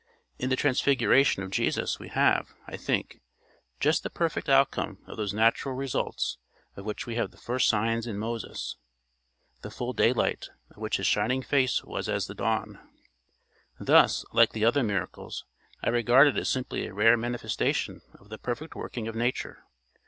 In the transfiguration of Jesus we have, I think, just the perfect outcome of those natural results of which we have the first signs in Moses the full daylight, of which his shining face was as the dawn. Thus, like the other miracles, I regard it as simply a rare manifestation of the perfect working of nature.